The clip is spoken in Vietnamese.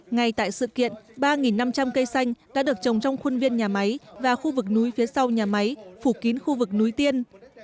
ngay tại sự kiện ba năm trăm linh cây xanh đã được trồng trong khuôn viên nhà máy và khu vực núi phía sau nhà máy phủ kín khu vực núi tiên